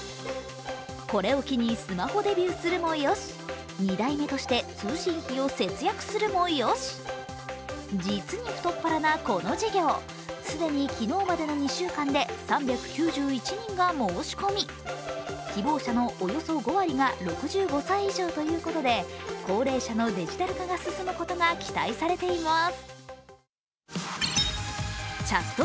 これを機に、スマホデビューするもよし、２台目として通信費を節約するもよし、実に太っ腹なこの事業、既に昨日までの２週間で３９１人が申し込み希望者のおよそ５割が６５歳以上ということで高齢者のデジタル化が進むことが期待されています。